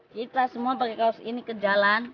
kita semua pakai kaos ini ke jalan